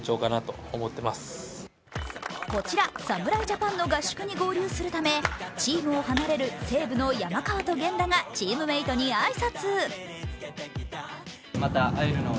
こちら侍ジャパンの合宿に合流するためチームを離れる西武の山川と源田がチームメイトに挨拶。